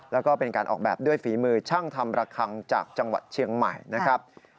แล้วก็เป็นการออกแบบด้วยฝีมือช่างทำระคังจากจังหวัดเชียงใหม่นะครับ